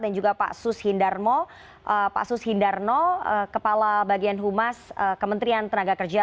dan juga pak sus hindarno kepala bagian humas kementerian tenaga kerja